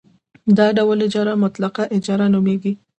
دا ډول اجاره مطلقه اجاره نومېږي